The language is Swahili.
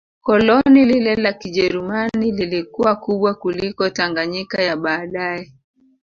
Koloni lile la Kijerumani lilikuwa kubwa kuliko Tanganyika ya baadae